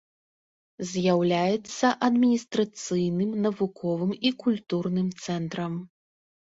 З'яўляецца адміністрацыйным, навуковым і культурным цэнтрам.